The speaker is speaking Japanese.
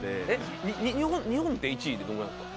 日本って１位ってどのぐらいなんですか？